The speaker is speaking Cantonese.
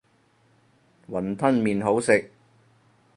雲吞麵好食